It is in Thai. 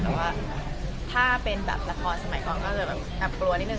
แต่ถ้าเป็นแบบราคาสมัยก่อนก็แบบอังกฎนิดนึง